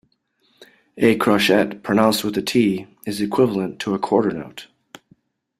A crotchet, pronounced with the t, is equivalent to a quarter note